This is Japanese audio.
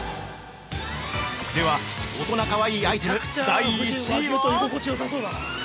では、大人かわいいアイテム第１位は？